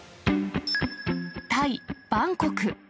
タイ・バンコク。